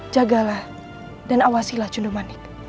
jagalah dan awasilah cundomanik